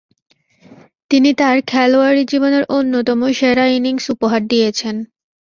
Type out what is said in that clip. তিনি তার খেলোয়াড়ী জীবনের অন্যতম সেরা ইনিংস উপহার দিয়েছেন।